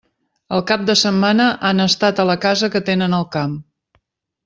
El cap de setmana han estat a la casa que tenen al camp.